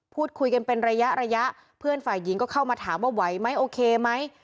พูดคุยกันเป็นระยะระยะเพื่อนฝ่ายหญิงก็เข้ามาถามว่าไหวไหมโอเคไหม